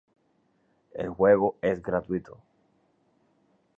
El juego es gratuito.